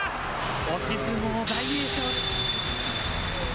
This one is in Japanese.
押し相撲、大栄翔。